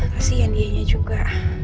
kasian dianya juga